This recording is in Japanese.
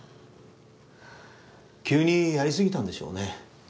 急にやり過ぎたんでしょうね。